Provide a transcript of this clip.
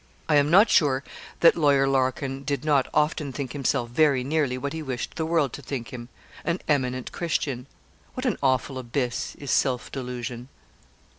I am not sure that Lawyer Larkin did not often think himself very nearly what he wished the world to think him an 'eminent Christian.' What an awful abyss is self delusion.